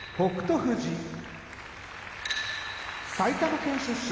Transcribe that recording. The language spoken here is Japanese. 富士埼玉県出身